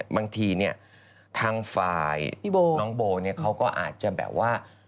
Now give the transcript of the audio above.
บางทีเนี่ยทางฝ่ายน้องโบเนี่ยเขาก็อาจจะแบบว่า